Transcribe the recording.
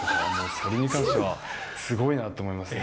それに関しては、すごいなと思いますね。